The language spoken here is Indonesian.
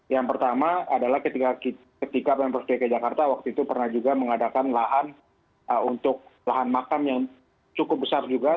yang pertama adalah ketika pemprov dki jakarta waktu itu pernah juga mengadakan lahan untuk lahan makam yang cukup besar juga